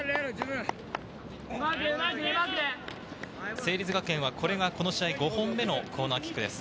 成立学園はこれがこの試合５本目のコーナーキックです。